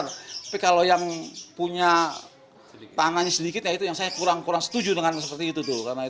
tapi kalau yang punya tangannya sedikit ya itu yang saya kurang kurang setuju dengan seperti itu tuh